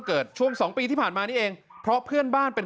ช่วงสองปีที่ผ่านมานี่เองเพราะเพื่อนบ้านเป็น